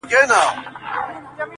دا څو اوښـکې مشکڼې به بادار ته ورلېږم